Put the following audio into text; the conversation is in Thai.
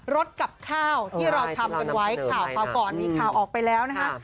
รถกับข้าวที่เราทำกันไว้ข่าวก่อนนี้ข่าวออกไปแล้วนะครับ